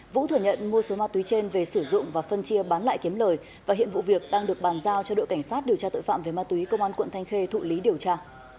vũ thừa nhận mua số ma túy trên về sử dụng và phân chia bán lại kiếm lời và hiện vụ việc đang được bàn giao cho đội cảnh sát điều tra tội phạm về ma túy công an quận thanh khê thụ lý điều tra